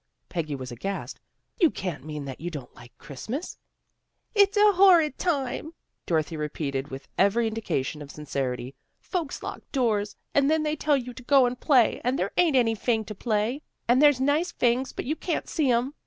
Peggy was aghast. " You can't mean that you don't like Christmas." " It's a horrid tune," Dorothy repeated, with every indication of sincerity. " Folks lock doors. And then they tell you to go and play, and there ain't anyfing to play. And there's nice fings, but you can't see 'em."